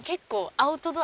アウトドア。